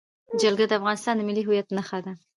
جلګه د افغانستان د ملي هویت نښه ده.